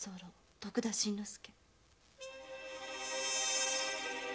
「徳田新之助」。